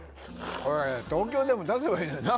これ東京でも出せばいいのにな